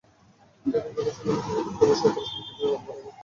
প্রায় তিন ঘণ্টার শুনানি শেষে কমিটি অবশ্য পরিষ্কার কিছু জানাতে পারেনি।